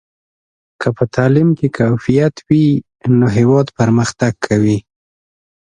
که په تعلیم کې کیفیت وي نو هېواد پرمختګ کوي.